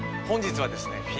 本日はですね